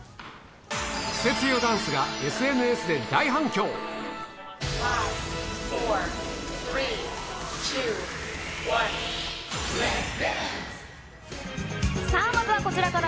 クセ強ダンスがＳＮＳで大反さあまずはこちらから。